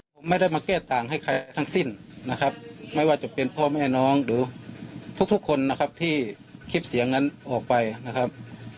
ผมไม่ได้มาแก้ต่างให้ใครทั้งสิ้นนะครับไม่ว่าจะเป็นพ่อแม่น้องหรือทุกคนนะครับที่คลิปเสียงนั้นออกไปนะครับ